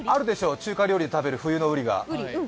中華料理食べる冬のウリが。